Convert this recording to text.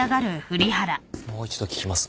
もう一度聞きます。